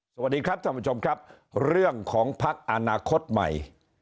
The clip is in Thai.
สวัสดีครับท่านผู้ชมครับเรื่องของพักอนาคตใหม่